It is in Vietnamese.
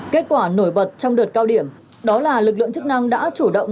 kết quả nổi bật trong đợt cao điểm đó là lực lượng chức năng đã chủ động